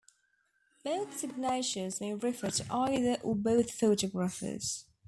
Both signatures may refer to either or both photographers.